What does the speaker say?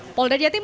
belum belum ada ini